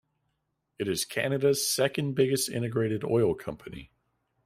It is Canada's second-biggest integrated oil company.